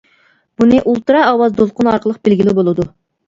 بۇنى ئۇلترا ئاۋاز دولقۇنى ئارقىلىق بىلگىلى بولىدۇ.